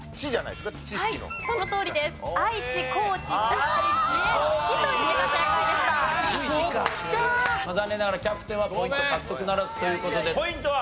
残念ながらキャプテンはポイント獲得ならずという事でポイントは？